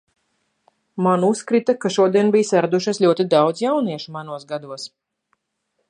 Man uzkrita ka šodien bija saradušies ļoti daudz jauniešu manos gados.